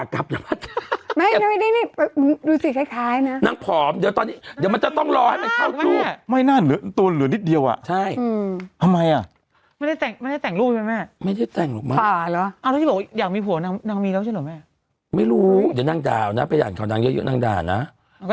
คือนางหลังคือนางออกกำลังกายหนัก